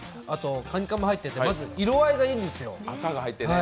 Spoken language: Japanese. あと、カニカマ入ってて、まず色合いがいいんですよ。